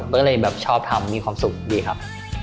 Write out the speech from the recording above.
ก็เลยแบบชอบทำมีความสุขดีครับ